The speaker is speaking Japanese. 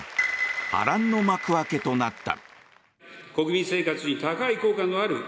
波乱の幕開けとなった。